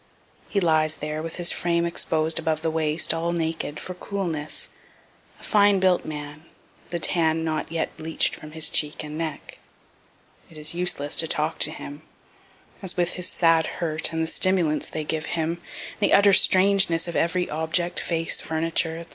He lies there with his frame exposed above the waist, all naked, for coolness, a fine built man, the tan not yet bleach'd from his cheeks and neck. It is useless to talk to him, as with his sad hurt, and the stimulants they give him, and the utter strangeness of every object, face, furniture, &c.